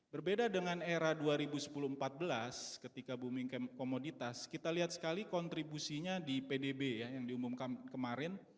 berbeda dengan era dua ribu sepuluh empat belas ketika booming komoditas kita lihat sekali kontribusinya di pdb yang diumumkan kemarin